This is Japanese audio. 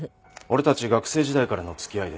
俺たち学生時代からの付き合いでね。